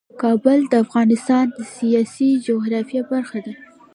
کابل د افغانستان د سیاسي جغرافیه برخه ده.